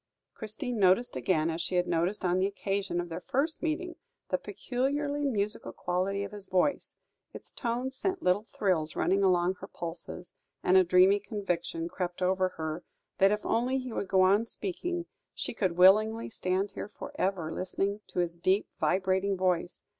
Christina noticed again, as she had noticed on the occasion of their first meeting, the peculiarly musical quality of his voice; its tones sent little thrills running along her pulses, and a dreamy conviction crept over her, that, if only he would go on speaking, she could willingly stand here for ever, listening to his deep, vibrating voice.